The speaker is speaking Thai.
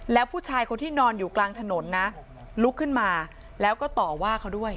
แล้วผู้ชายคนที่นอนอยู่กลางถนนนะลุกขึ้นมาแล้วก็ต่อว่าเขาด้วย